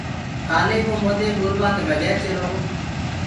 ڪآلي وو موندي ٻولوآ ڪي بگير چيلو گو؟